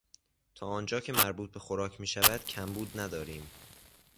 تا آنجا که مربوط به خوراک میشود کمبود نداریم.